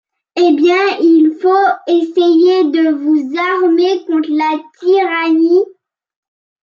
Eh bien ! il faut essayer de vous armer contre la tyrannie.